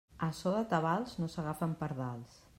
A so de tabals no s'agafen pardals.